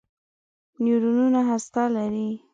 نیورونونه هسته لري.